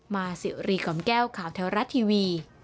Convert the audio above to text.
มาสิวรีกล่อมแก้วข่าวแถวรัฐทีวี